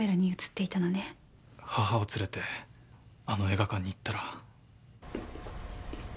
母を連れてあの映画館に行ったら。